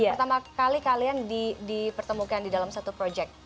pertama kali kalian dipertemukan di dalam satu proyek